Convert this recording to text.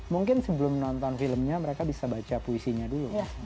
mungkin sebelum nonton filmnya mereka bisa baca puisinya dulu